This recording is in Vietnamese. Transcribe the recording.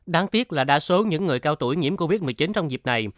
đáng tiếc là đa số những người cao tuổi nhiễm covid một mươi chín trong dịp này